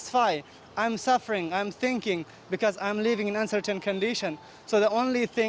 saya menderita saya berpikir karena saya hidup dalam kondisi yang tidak yakin